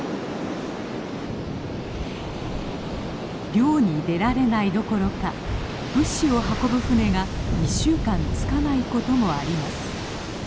漁に出られないどころか物資を運ぶ船が１週間着かないこともあります。